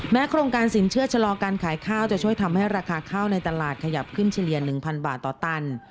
โครงการสินเชื่อชะลอการขายข้าวจะช่วยทำให้ราคาข้าวในตลาดขยับขึ้นเฉลี่ย๑๐๐บาทต่อตัน